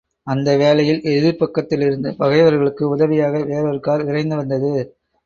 அந்த வேளையில் எதிர்ப்பக்கத்திலிருந்து பகைவர்களுக்கு உதவியாக வேறோரு கார் விரைந்து வந்தது.